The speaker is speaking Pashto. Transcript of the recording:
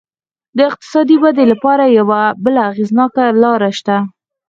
د اقتصادي ودې لپاره یوه بله اغېزناکه لار شته.